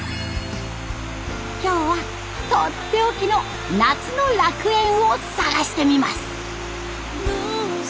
今日はとっておきの夏の楽園を探してみます。